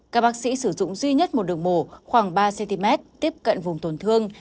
các bác sĩ sử dụng duy nhất một đường mồ khoảng ba cm tiếp cận vùng tổn thương